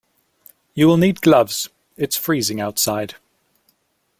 You will need gloves; it's freezing outside.